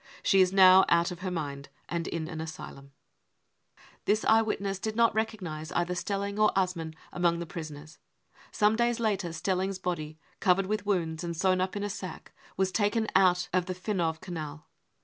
She is now out of her mind and in an asylum. ... 55 This eyewitness did not recognise either S telling or Ass mann among the prisoners. Some days later Stelling's body, covered with wounds, and sewn up in a sack, was taken out of the Finow Canal.